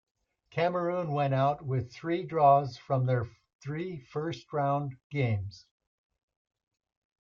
Cameroon went out with three draws from their three first-round games.